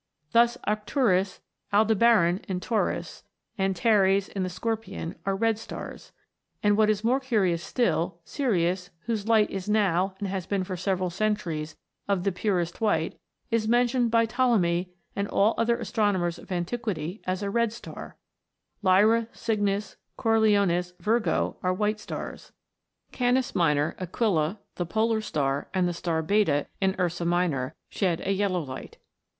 Thus, Arcturus, Aldebaran (in Taurus), Antares (in the Scorpion), are red stars ; and what is more curious still, tiirius, whose light is now, and has been for several centuries, of the purest white, is o2 196 A FLIGHT THROUGH SPACE. mentioned by Ptolemy and all other astronomers of antiquity as a red star. Lyra, Cygnus, Cor Leonis, Virgo, are white stars. Canis Minor, Aquila, the Polar Star, and the star Beta, in Ursa Minor, shed a yellow light.